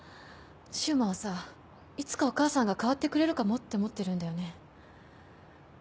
柊磨はさいつかお母さんが変わってくれるかもって思ってるんだよね。